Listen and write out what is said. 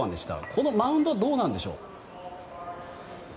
このマウンドはどうなんでしょう。